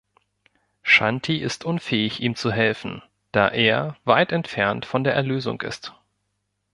Shanti ist unfähig ihm zu helfen, da er weit entfernt von der Erlösung ist.